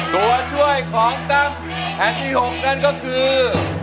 ตัวช่วยของตั้มแผ่นที่๖นั่นก็คือ